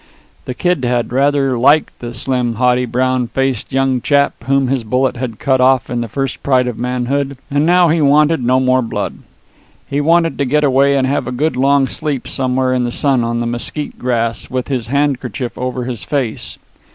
The Kid had rather liked the slim, haughty, brown faced young chap whom his bullet had cut off in the first pride of manhood. And now he wanted no more blood. He wanted to get away and have a good long sleep somewhere in the sun on the mesquit grass with his handkerchief over his face.